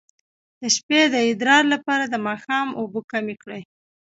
د شپې د ادرار لپاره د ماښام اوبه کمې کړئ